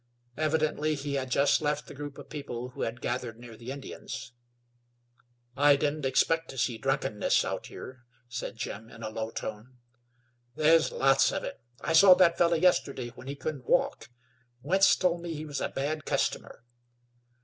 Evidently he had just left the group of people who had gathered near the Indians. "I didn't expect to see drunkenness out here," said Jim, in a low tone. "There's lots of it. I saw that fellow yesterday when he couldn't walk. Wentz told me he was a bad customer."